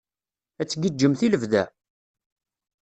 Ad tgiǧǧemt i lebda?